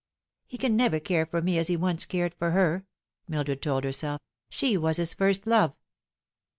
" He can never care for me as he once cared for her," Mildred told herself. " She was his first love."